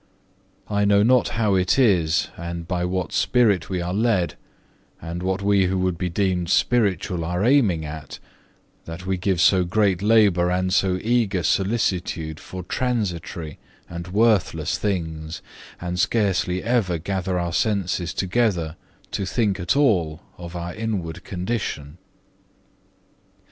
I know not how it is, and by what spirit we are led, and what we who would be deemed spiritual are aiming at, that we give so great labour and so eager solicitude for transitory and worthless things, and scarcely ever gather our senses together to think at all of our inward condition.